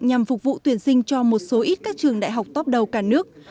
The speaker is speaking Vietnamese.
nhằm phục vụ tuyển sinh cho một số ít các trường đại học top đầu cả nước